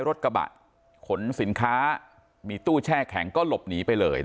รถกระบะขนสินค้ามีตู้แช่แข็งก็หลบหนีไปเลย